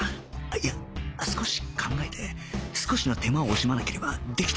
いや少し考えて少しの手間を惜しまなければできたはずだ